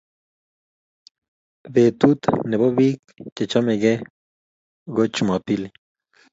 Betut nepo bik che chome ke ko jumapili